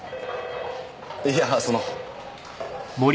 いやその。